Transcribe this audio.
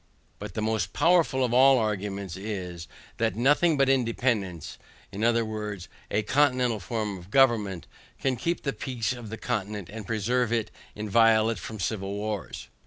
But the most powerful of all arguments, is, that nothing but independance, i. e. a continental form of government, can keep the peace of the continent and preserve it inviolate from civil wars.